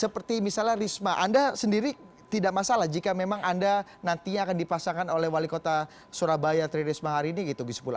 seperti misalnya risma anda sendiri tidak masalah jika memang anda nantinya akan dipasangkan oleh wali kota surabaya tri risma hari ini gitu gus pula